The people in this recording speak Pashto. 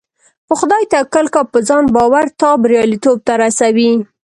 په خدای توکل کوه او په ځان باور تا برياليتوب ته رسوي .